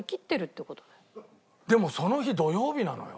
でもその日土曜日なのよ。